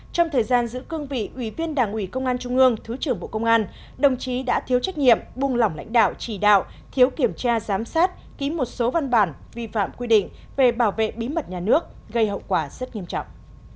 trong thời gian giữ cương vị ủy viên đảng ủy công an trung ương thứ trưởng bộ công an đồng chí đã thiếu trách nhiệm buông lỏng lãnh đạo chỉ đạo thiếu kiểm tra giám sát ký một số văn bản vi phạm quy định về bảo vệ bí mật nhà nước gây hậu quả rất nghiêm trọng